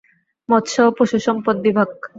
মৎস্য ও পশু সম্পদ বিভাগ।